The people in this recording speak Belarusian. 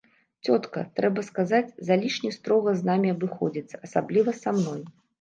Цётка, трэба сказаць, залішне строга з намі абыходзіцца, асабліва са мной.